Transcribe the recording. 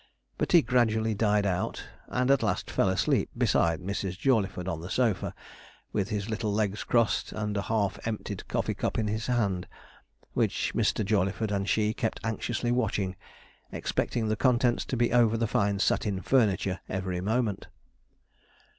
but he gradually died out, and at last fell asleep beside Mrs. Jawleyford on the sofa, with his little legs crossed, and a half emptied coffee cup in his hand, which Mr. Jawleyford and she kept anxiously watching, expecting the contents to be over the fine satin furniture every moment.